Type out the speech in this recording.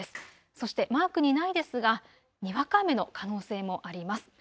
そしてマークにないですが、にわか雨の可能性もあります。